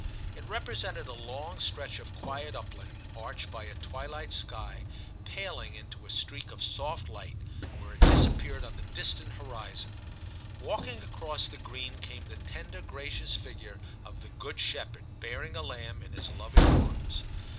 It represented a long stretch of quiet upland, arched by a twilight sky paling into a streak of soft light where it disappeared on the distant horizon ; walking across the green came the tender gracious figure of the good shepherd bearing a lamb in his loving arms.